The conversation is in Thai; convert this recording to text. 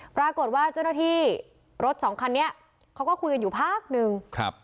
ปรากฏว่าเจ้าหน้าที่รถสองคันนี้เขาก็คุยกันอยู่พักนึงครับ